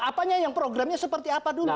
apanya yang programnya seperti apa dulu